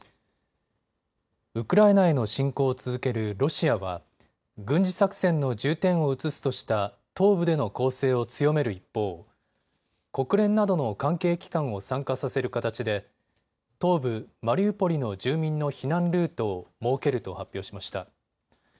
ウクライナへの侵攻を続けるロシアは軍事作戦の重点を移すとした東部での攻勢を強める一方、国連などの関係機関を参加させる形で東部マリウポリの住民の避難ルートを設けると発表しました。